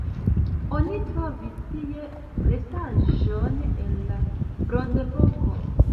Oni trovis tie restaĵon el la bronzepoko.